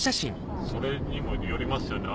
それにもよりますよね